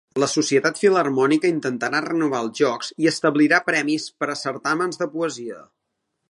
La Societat Filharmònica intentarà renovar els Jocs i establirà premis per a certàmens de poesia.